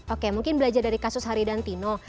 oke mungkin belajar dari kasus hari dan tino